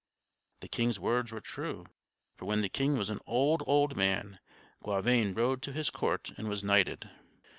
The king's words were true; for when the king was an old, old man, Gauvain rode to his court and was knighted.